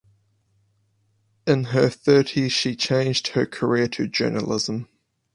In her thirties she changed her career to journalism.